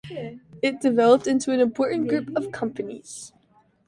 It developed into an important group of companies.